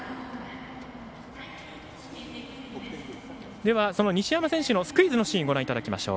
では西山選手のスクイズのシーンご覧いただきましょう。